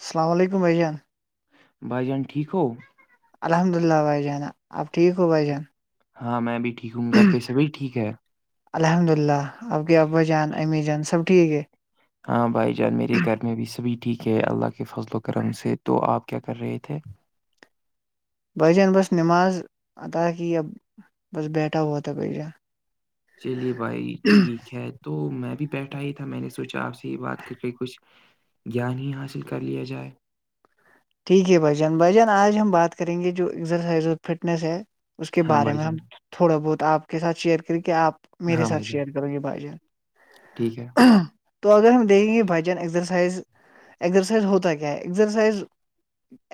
السلام علیکم بجان بھائی جان ٹھیک ہو الحمد للہ بھائی جانہ آپ ٹھیک ہو بھائی جان ہاں میں بھی ٹھیک ہوں گھر پہ س بھی ٹھیک ہے الحمد للہ آپ کے ابا جان امی جان سب ٹھیک ہے ہاں بھائی جان میرے گھر میں بھی سبھی ٹھیک ہے اللہ کے فضل و کرم سے تو آپ کیا کر رہے تھے بائی جان بس نماز عطا کی بس بیٹھا وتا گئی جا چلیے بھائی ٹھیک ہے تو میں بھی بیٹھا ہی تھا میں نے سوچا آپ سے ہی بات کر کے کچھ گان ہی حاصل کر لیا جائے ٹھیک ہے بھائی جان بھجان آج ہم بات کریں گے جو ایکزرسائز اور فٹنیس ہے اس کے ہاں بارے بھائی میں ہم جان تھوڑا بہت آپ کے ساتھ شیئر کریں کہ آپ میرے ہاں ساتھ بھائی جان شیئر کرو یہ بھائی جان ٹھیک ہے تو اگر ہم دیکھیں گے بچن ایزرسائز ایزرسائز ہوتا کیا ہے ایزرسائز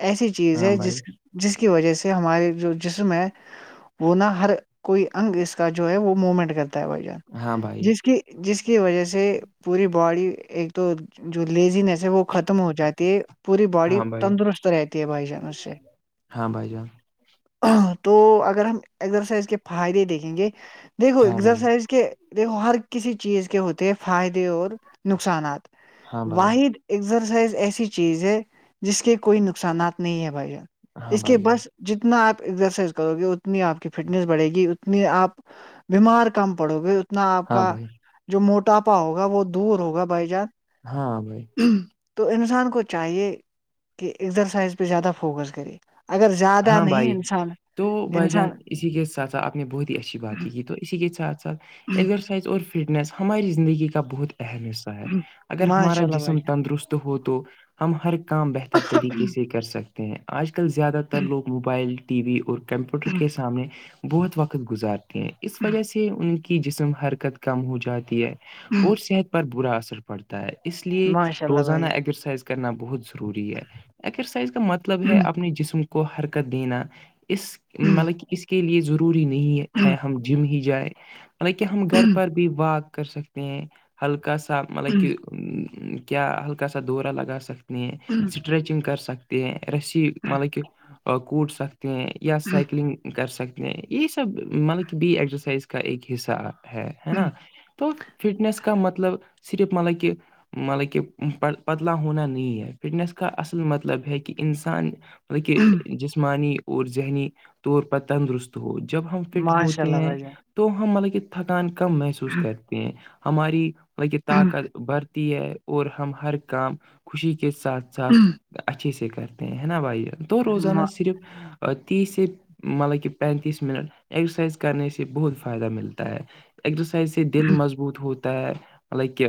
ایسی چیز ہاں ہے بھائی جس جس کی وجہ سے ہمارے جو جسم ہے وہ نہا ہر کوئی انگ اس کا جو ہے وہ موومنٹ کرتا ہے بھائی جان ہاں بھائی جس کی جس کی وجہ سے پوری باڈی ایک تو جو لیزنیس ہے وہ ختم ہو جاتی ہے پوری باڈی ہاں بھائی تندرست رہتی ہے بھائی جان اس سے ہاں بھائی جان تو اگر ہم ایکسرسائز کے فائدے دیکھیں گے دیکھو ہاں بھائی ایکسرسائز کے دیک ہر کسی چیز کے ہوتے ہیں فائدے اور نقصانات ہاں بھائی واحد ازرسائز ایسی چیز ہے جس کے کوئی نقصانات نہیں ہے بھائی ہاں اس کے بھائی جان بس جتنا آپ ایزرسائز کرو گے اتنی آپ کی فٹنیس بڑھے گی اتنی آپ بیمار کم پڑو گے اتنا آپ ہاں کا بھائی جو موٹاپا ہوگا وہ دور ہوگا بائی جان ہاں بھائی تو انسان کو چاہیے کہ ایگزرسائز پہ زیادہ فوکس کرے اگر زیادہ ہاں نہیں بھائی انسان تو بھائی جان انسان اسی کے ساتھ ساتھ آپ نے بہت ہی اچھی بات ہی کی تو اسی کے ساتھ ساتھ ازرسائز اور فٹنس ہماری زندگی کا بہت اہم حصہ ہے اگر ہمارا ماشاء اللہ بھائی جسم جان تندرست ہو تو ہم ہر کام بہتر طریقے سے کر سکتے ہیں آج کل زیادہ تر لوگ موبائل ٹی وی اور کمپیوٹر کے سامنے بہت وقت گزارتے اس وجہ سے ان کی جسم حرکت کم ہو جاتی ہے اور صحت پر برا اثر پڑتا ہے اس لیے ماشاء اللہ روزانہ بھائی ایکزرسائز کرنا بہت ضروری ہے ایکسرسائز کا مطلب ہے اپنے جسم کو حرکت دینا اس مطلب کہ اس کے لیے ضروری نہیں ہے ہے ہم جم ہی جائیں مطلب کہ ہم گھر پر بھی واک کر سکتے ہیں ہلکا سا مطلب کہ کیا ہلکا سا دورہ لگا سکتے ہیں اسٹریچنگ کر سکتے ہیں رسی مطلب کہ کوٹ سکتے ہیں یا سائیکلنگ کر سکتے یہی سب مطلب کہ بی ایکسرسائز کا ایک حصہ ہے ہے جان نا تو فٹنیس کا مطلب صرف مطلب کہ مطلب کہ پدلا ہونا نہیں ہے فٹنیس کا اصل مطلب ہے کہ انسان مطلب کہ جسمانی اور ذہنی طور پر تندرست ہو جب ہم فٹ ماشاء ہوتے اللہ ہیں بھائی جان تو ہم مطلب کہ تھکان کم محسوس کرتے ہیں ہماری لکہ طاقت بڑھتی ہے اور ہم ہر کام خوشی کے ساتھ ساتھ اچھے سے کرتے ہیں ہے نا بھائی تو روزانہ صرف تیس سے مطلب کہ پینتیس منٹ ایکسرسائز کرنے سے بہت فائدہ ملتا ہے سے دل مضبوط ہوتا ہے لائک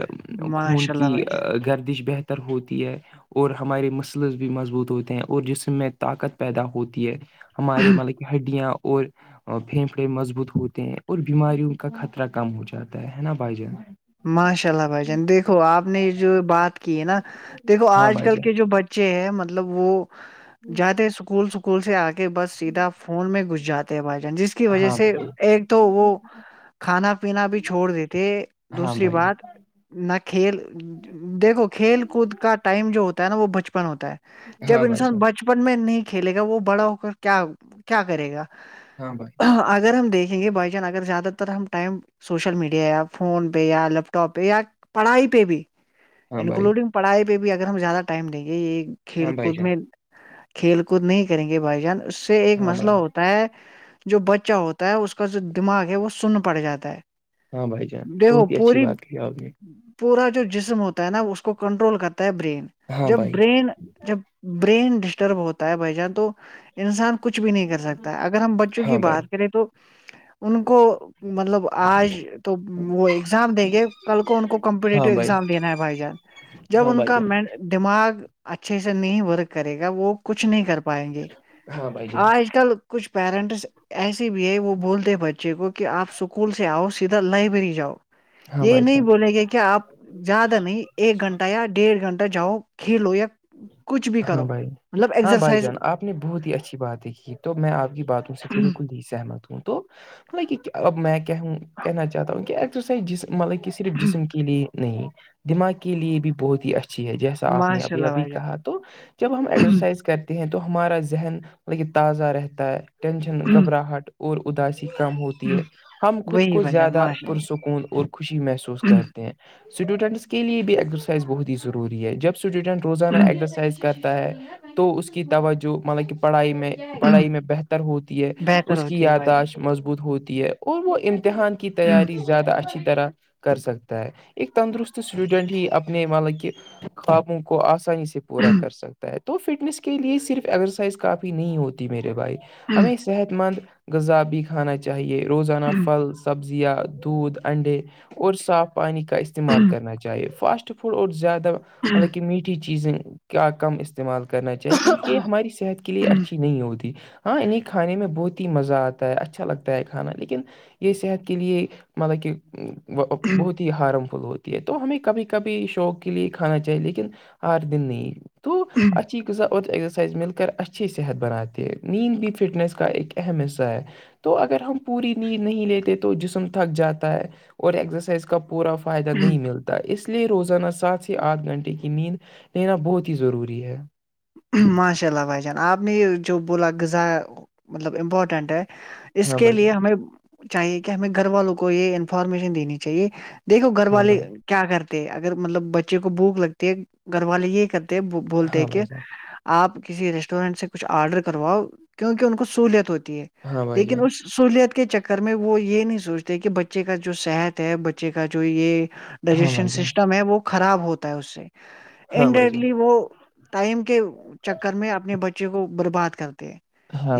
خون ماشاء اللہ کی بھائی جان گردش بہتر ر ہوتی ہے اور ہمارے مسلس بھی مضبوط ہوتے ہیں اور جس سے میں طاقت پیدا ہوتی ہے ہمارے مطلب کہ ہڈیاں اور اور پھیفڑے مضبوط ہوتے ہیں اور بیماریوں کا خطرہ کم ہو جاتا ہے نا بھائی جان ماشاء اللہ بھائی جان دیکھو آپ نے یہ جو بات کی ہے نا دیکھو ہاں آج بھائی کل جان کے جو بچے بچے ہیں مطلب وہ جاتے اسکول سکول سے آ کہ بس سیدھا فون میں گھس جاتے ہیں بھائی جان جس کی وجہ ہاں سے بھائی جان ایک تو وہ کھانا پینا بھی چھوڑ دیتے ہاں دوسری بھائی بات نہ کھیل دیکھو کھیل کود کا ٹائم جو ہوتا ہے نا وہ بچپن ہوتا ہے ہاں جب بھائی انسان بچن جان بچپن میں نہیں کھیلے گا وہ بڑا ہو کر کیا کیا کرے گا ہاں بھائی اگر ہم دیکھیں گے بائی چانس اگر زیادہ تر ہم time social media app phone پہ یا لیپ ٹاپ پہ یا پڑھائی پہ بھی ہاں بھائی انکلوڈنگ پڑھائی پہ بھی اگر ہم زیادہ ٹائم دیں گے یہ ہاں کھیل بھائی کود جان میں کھیل کود نہیں کریں گے بھائی جان اس سے ایک ہاں مسئلہ بھائی ہوتا ہے جو بچہ ہوتا ہے اس کا جو دماغ ہے وہ سن پڑ جاتا ہے ہاں بھائی جان دیکھو بہت ہی اچھی پوری بات کہی آپ نے پورا جو جسم ہوتا ہے نا اس کو کنٹرول کرتا ہے برین ہاں جب بھائی برین جب برین ڈسٹرب ہوتا ہے بھائی جان تو انسان کچھ بھی نہیں کر سکتا اگر ہم بچوں ہاں کی بھائی بات کریں تو ان کو مطلب آج تو وہ ایگزام دیں گے کل کو ان کو ہاں کمپیٹیٹیو بھائی ایگزام دینا ہے بھائی جان جب ہاں ان بھائی کا جان مینٹ دماغ اچھے سے نہیں ورک کرے گا وہ کچھ نہیں کر پائیں گے ہاں بھائی جان آج کل کچھ پیرنٹس ایسے بھی ہے وہ بولتے بچے کو کہ آپ اسکول سے آؤ چیددا لائبریری جاؤ ہاں یہ بھائی جان نہیں بولیں گے کہ آپ زیادہ نہیں ایک گھنٹہ یا ڈیڑھ گھنٹہ جاؤ کھیلو یا کچھ بھی ہاں کرو بھائی مطلب ہاں بھائی ایکسرسائز جان آپ نے بہت ہی اچھی باتیںھی تو میں آپ کی باتوں سے بالکل ہی سہمت ہوں تو مطلب اب میں کہوں کہنا چاہتا ہوں کہ ایکسرسائز جس مطلب کہ صرف جسم کے لیے نہیں دماغ کے لیے بھی بہت ہی اچھی ہے جیسا آپ نے ماشاء اللہ ابھی بھائی کہا تو جب ہم جان ایکسرسائز کرتے ہیں تو ہمارا ذہن ل تازہ رہتا ہے ٹینشن گھبراہٹ اور اداسی کام ہو ہے ہم خود وہی کو بھائی جان زیادہ ماشاء پرسکون اور خوشی محسوس اللہ کرتے ہیں اسٹوڈنٹس کے لیے بھی ایکزرسائز بہت ہی ضروری ہے جب اسٹوڈنٹ روزانہ ایکزرسائز کرتا ہے تو اس کی توجہ مطلب کہ پڑھائی میں پڑھائی میں بہتر ہوتی ہے بہتر اس کی ہوتی ہے بھائی جان یاداشت مضبوط ہوتی ہے اور وہ امتحان کی تیاری زیادہ اچھی طرح کر سکتا ہے ایک تندرست اسٹوڈنٹ ہی اپنے مطلب کہ خوابوں کو آسانی سے پورا کر سکتے ہے تو فٹنس کے لیے صرف ایکسرسائز کافی نہیں ہوتی میرے بھائی ہمیں صحت مند غذابی کھانا چاہیے روزانہ پھل سبزی یا دودھ انڈے اور صاف پانی کا استعمال کرنا چاہیے فاسٹ فوڈ اور زیادہ مطلب کہ میٹھی چیزیں کیا کم استعمال کرنا چاہیے کیونکہ یہ ہماری صحت کے لیے اچھی نہیں ہوتی ہاں انہیں کھانے میں بہت ہی مزہ آتا ہے اچھا لگتا ہے کھانا لیکن یہ صحت کے لیے مطلب کہ بہت ہی ہارم فل ہوتی ہے تو ہمیں کبھی کبھی شوق کے لیے کھانا چاہیے ہار دن نہیں تو اچھی اور ایگزرسائز مل کر اچ اچھی صحت بناتے ہے نیند بھی فٹنیس کا ایک اہم حصہ ہے تو اگر ہم پوری نیند نہیں لیتے تو جسم تھک جاتا ہے اور ایکسرسائز کا پورا فائدہ نہیں ملتا اس لیے روزانہ سات سے آٹھ گھنٹے نیند لینا بہت ہی ضروری ہے ماشاء اللہ بھائی جان آپ نے یہ جو بولا غذا مطلب امپورٹینٹ ہے اس ہاں کے بھائی لیے جان ہمیں چاہیے کہ ہمیں گھر والوں کو یہ انفارمیشن دینی چاہیے دیکھو گھر ہاں والے بھائی کیا کرتے اگر مطلب بچے کو بھوک لگتی ہے گھر والے یہ کرتے بولتے ہاں کہ بھائی جان آپ کسی ریسٹورینٹ سے کچھ آرڈر کرواؤ کیونکہ ان کو سہلیت ہوتی ہے ہاں بھائی لیکن جان اس سہولیت کے چکر میں وہ یہ نہیں سوچتے کہ بچے کا جو صحت ہے بچے کا جو یہ ہاں ڈائجیشن بھائی جان سسٹم ہے وہ خراب ہوتا ہے اس سے ہاں ان ڈائرٹلی وہ ٹائم کے چکر میں اپنے بچے کو برباد کرتے ہیں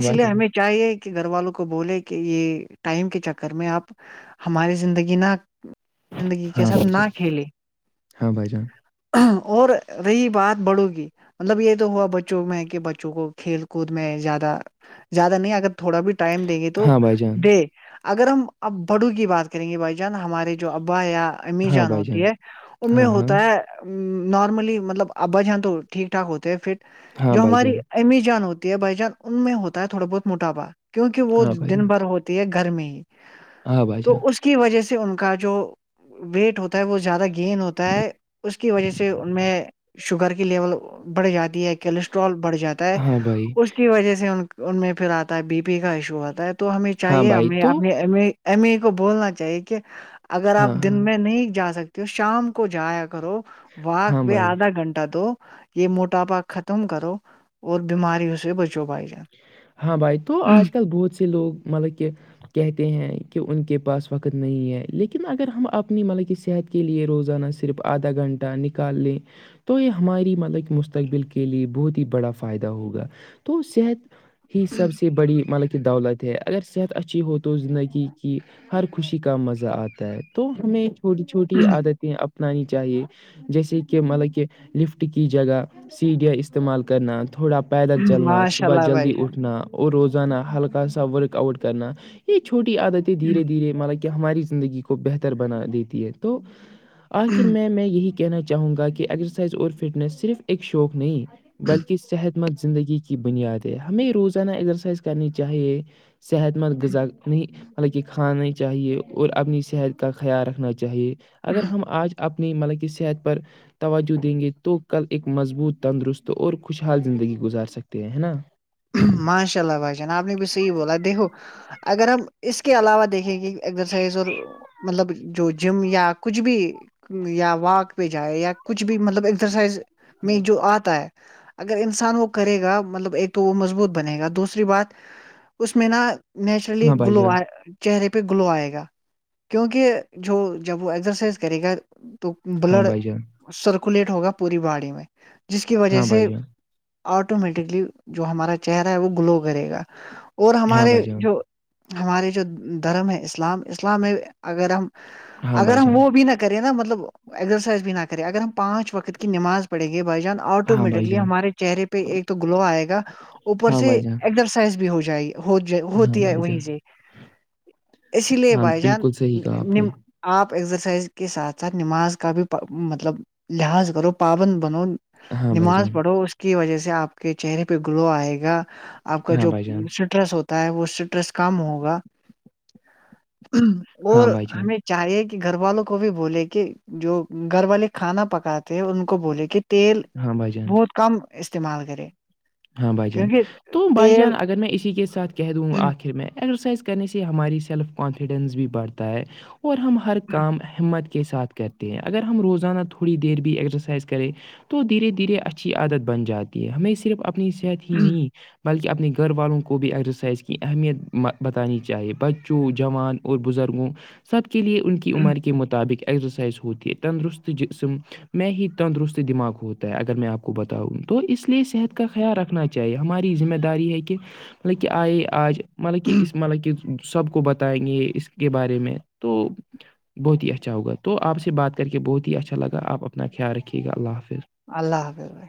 اس بھائی لیے جان ہمیں چاہیے کہ گھر والوں کو بولے کہ یہ ٹائم کے چکر میں آپ ہماری زندگی نہ زندگی کے ہاں ساتھ بھائی نہ جان کھیلے ہاں بھائی جان اور رہی بات بڑو گی مطلب یہ تو ہوا بچوں میں کہ بچوں کو کھیل کود میں زیادہ زیادہ نہیں اگر تھوڑا بھی ٹائم دیں گے تو ہاں بھائی جان دے اگر ہم اب بڑو کی بات کریں گے بھائی جان ہمارے جو ابا یا امی ہاں جان بھائی ہوتی ہے ہاں بھائی ان جان میں ہاں ہاں ہوتا ہے نارملی مطلب ابج ہےاں تو ٹھیک ٹھاک ہوتے ہیں فٹ ہاں جو بھائی ہماری جان امی جان ہوتی ہے بھائی جان ان میں ہوتا ہے تھوڑا بہت موٹاپا کیونکہ وہ ہاں بھائی دن جان بھر ہوتا ہے گھر میں ہی ہاں بھائی تو جان اس کی وجہ سے ان کا جو ویٹ ہوتا ہے وہ زیادہ گینین ہوتا ہے اس کی وجہ سے ان میں شوگر کی لیول بڑھ جاتی ہے کولسٹرول بڑھ جاتا ہے ہاں بھائی اس کی وجہ سے ان کا ان میں پھر آتا ہے بی پی کا ایشو آتا ہے تو ہمیں ہاں چاہیے بھائی ہمیں تو اپنے ای ایم ای کو بولنا چاہیے کہ اگر آپ ہاں دن ہاں میں نہیں جا سکتے تو شام کو جایا کرو ہاں واق میںہ بھائی آدھا گھنٹہ دو یہ موٹاپا ختم کرو اور بیماریوں سے بچو پائی جائے ہاں بھائی تو آج کل بہت سے لوگ مطلب کہ کہتے ہیں کہ ان کے پاس وقت نہیں ہے لیکن اگر ہم اپنی مطلب کہ صحت کے لیے روزانہ صرف آدھا گھنٹہ نکال لیں تو یہ ہماری مطلب کہ مستقبل کے لیے بہت ہی بڑا فائدہ ہوگا تو صحت ہی سب سے بڑی مطلب کہ دولت اگر صحت اچھی ہو تو زندگی کی ہر خوشی کا مزہ آتا ہے تو ہمیں چھوٹی چھوٹی عادتیں اپنانی چاہیے جیسے کہ مطلب کہ لفٹ کی جگہ سیڈیاں استعمال کرنا تھوڑا پیدل چلنا ماشاء صبح اللہ بھائی جلدی اٹھنا اور روزانہ ہلکا سا ورک آؤٹ کرنا یہ چھوٹی عادتیں دھیرے دھیرے مطلب ہماری زندگی کو بہتر بنا دیتی ہے تو آخر جان میں میں یہی کہ کہنا چاہوں گا کہ ایکسرسائز اور فٹنس صرف ایک شوق نہیں بلکہ صحت خ مت زندگی کی بنیاد ہے ہمیں روزانہ ایزرسائز کرنی چاہیے صحت مند غذا نہیں حالانکہ کھانے چاہیے اور اپنی صحت کا خیال رکھنا چاہیے اگر ہم آج اپنی مطلب کہ صحت پر توجہ دیں گے تو کل ایک مضبوط تندرست اور خوشحال زندگی گزار سکتے ہیں ہے نا ماشاء اللہ بھائی جان آپ نے بھی صحیح بولا دیکھو اگر ہم اس کے علاوہ دیکھیں کہ ازرسائز اور مطلب جو جم یا کچھ بھی یا واک پہ جائے یا کچھ بھی مطلب ایکسرسائز میں جو آتا ہے اگر انسان وہ کرے گا مطلب ایک وہ مضبوط بنے گا دوسری بات اس میں نا نیچرلی ہاں بھائی گلو آ جان چہرے پہ گلو آئے گا کیونکہ جو جب وہ ایکسرسائز کرے گا تو ہاں بلڈ بھائی جان سرکولیٹ ہوگا پوری باڈی میں جس کی وجہ ہاں بھائی سے جان آٹومیٹکلی جو ہمارا چہرہ ہے وہ گلو کرے گا اور ہاں ہمارے بھائی جان جو ہمارے جو دھرم ہے اسلام اسلام میں اگر ہم ہاں اگر بھائی ہم جان وہ بھی نہ کرے نا مطلب ایکسرسائز بھی نہ کریں اگر ہم پانچ وقت کی نماز پڑیں گے بھائی جان ہاں بھائی آٹومیٹکلی جان ہمارے چہرے پہ ایک تو گلو آئے گا اوپر ہاں سے بھائی جان ایکزرسائز بھی ہو جائے گی ہو ہاں ہوتی ہے بھائی وہیں جان سے اسی لیے ہاں بھائی جان بالکل صحیح کہا آپ نے آپ ایگزرسائز کے ساتھ ساتھ نماز کا بھی مطلب لحاظ کرو پابند بنو ہاں بھائی نماز جان پڑھو اس کی وجہ سے آپ کے چہرے پہ گرو آئے گا آپ کا ہاں جو بھائی جان اسٹرس ہوتا ہے وہ اسٹریس کام ہوگا ہاں اور بھائی جان ہمیں چاہیے کہ گھر والوں کو بھی بولے کہ جو گھر والے کھانا پکاتے تھے ان کو بولے کہ تیل ہاں بھائی جان بہت کم استعمال کرے ہاں بھائی جان کیونکہ تو بھائی تیل جان اگر میں اسی کے ساتھ کہہ دوں آخر میں ایکسرسائز کرنے سے ہماری سیلف کانفیڈینس بھی بڑھتا ہے اور ہم ہر کام ہمت کے ساتھ کرتے ہیں اگر ہم روزانہ تھوڑی دیر بھی ایسرسائز کریں تو دھیرے دھیرے اچھی عادت بن جاتی ہے ہمیں صرف اپنی صحت ہی نہیں بلکہ اپنے گھر والوں کو بھی ایزرسائز کی اہمیت بتانی چاہیے بچوں جوان اور بزرگوں سب کے لیے ان کی عمر کے مطابق ایکزرسائز ہوتی ہے تندرست جسم میں ہی تندرست دماغ کو ہوتا ہے اگر میں آپ کو بتاؤں تو اس لیے صحت کا خیال رکھنا چاہیے ہماری ذمہ داری ہے کہ مطلب کہ آئے آج مطلب کہ اس مطلب کہ سب کو بتائیں گے اس کے بارے میں تو بہت ہی اچھا ہوگا تو آپ سے بات کر کے بہت ہی اچھا لگا آپ اپنا خیال رکھیے گا اللہ حافظ اللہ حافظ بھائی